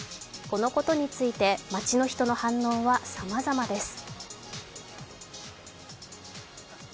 このことについて街の人の反応はさまざまです。